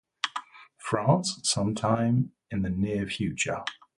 France, sometime in the near future.